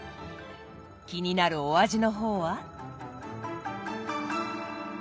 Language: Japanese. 気になるお味の方は？